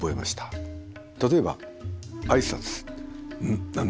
例えばあいさつ。